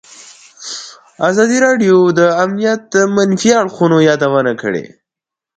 ازادي راډیو د امنیت د منفي اړخونو یادونه کړې.